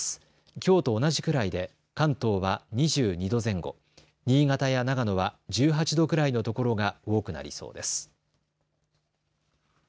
きょうと同じくらいで関東は２２度前後、新潟や長野は１８度くらいのところが多くなりそうです。